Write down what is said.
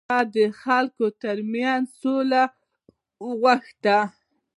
هغه د خلکو تر منځ سوله وغوښته.